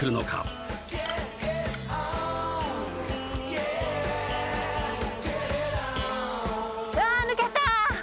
うわー抜けたー！